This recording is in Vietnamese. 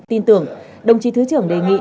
tin tưởng đồng chí thứ trưởng đề nghị